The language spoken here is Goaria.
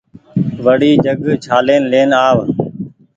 وڙي جگ ڇآلين لين آو